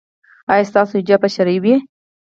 ایا ستاسو حجاب به شرعي وي؟